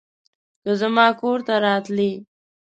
که زما کور ته راتلې